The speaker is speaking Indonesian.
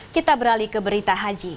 kita beralih ke berita haji